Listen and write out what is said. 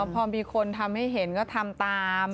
พอมีคนทำให้เห็นก็ทำตาม